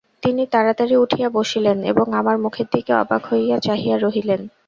তিনি তাড়াতাড়ি উঠিয়া বসিলেন এবং আমার মুখের দিকে অবাক হইয়া চাহিয়া রহিলেন।